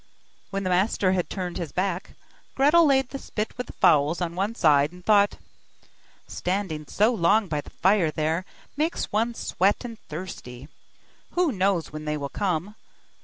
When the master had turned his back, Gretel laid the spit with the fowls on one side, and thought: 'Standing so long by the fire there, makes one sweat and thirsty; who knows when they will come?